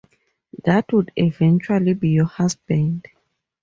That would eventually be your husband.